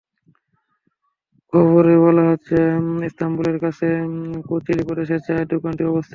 খবরে বলা হচ্ছে, ইস্তাম্বুলের কাছে কোচিলি প্রদেশে চায়ের দোকানটি অবস্থিত।